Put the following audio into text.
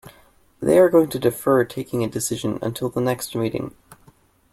They are going to defer taking a decision until the next meeting.